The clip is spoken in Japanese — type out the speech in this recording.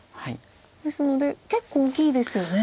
ですので結構大きいですよね。